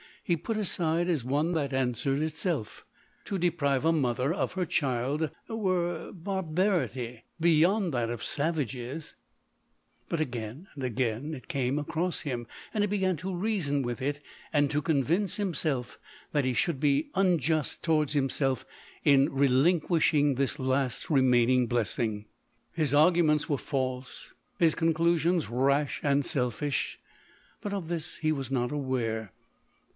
he put aside as one that answered itself — to de i 2 172 LODORE. prive a mother of her child were barbarity be yond that of savages; — but again and again it came across him, and he began to reason with it, and to convince himself that he should be unjust towards himself in relinquishing this last remaining blessing. His arguments were false, his conclusions rash and selfish ; but of this he was not aware.